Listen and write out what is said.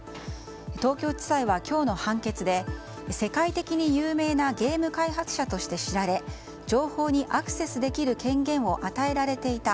東京地裁は今日の判決で世界的に有名なゲーム開発者として知られ情報にアクセスできる権限を与えられていた。